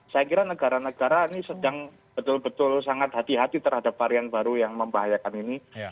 saya kira negara negara ini sedang betul betul sangat hati hati terhadap varian baru yang membahayakan ini